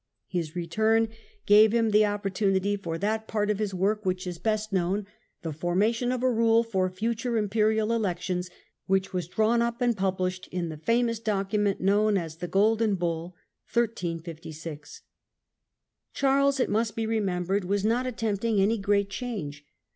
His return gave him the opportvuiity for that part of GERMANY AND THE EMPIRE, 1273 1378 23 his work which is best known, the formation of a rule for future Imperial elections, which was drawn up and published in the famous document known as the Golden Golden Bull. Charles, it must be remembered, was not attempt "' ing any great change.